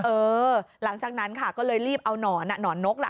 เออหลังจากนั้นค่ะก็เลยรีบเอานอนหนอนนกล่ะ